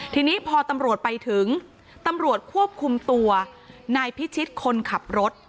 ทีนี้พอตำรวจไปถึงตำรวจควบคุมตัวนายพิชิตคนขับรถ